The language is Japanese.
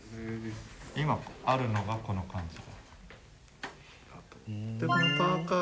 今あるのがこの感じ。